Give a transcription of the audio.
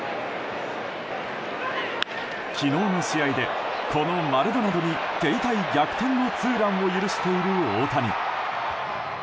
昨日の試合で、このマルドナドに手痛い逆転のツーランを許している大谷。